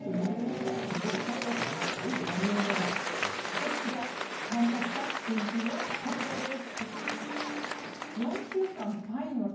私が参加した研究はこちらです。